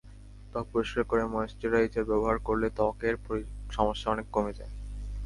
ত্বক পরিষ্কার করে ময়েশ্চারাইজার ব্যবহার করলে ত্বকের সমস্যা অনেক কমে যায়।